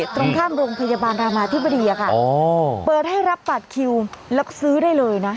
ตรงข้ามโรงพยาบาลรามาธิบดีค่ะเปิดให้รับบัตรคิวแล้วซื้อได้เลยนะ